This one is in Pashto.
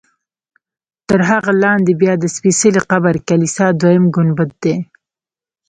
تر هغه لاندې بیا د سپېڅلي قبر کلیسا دویم ګنبد دی.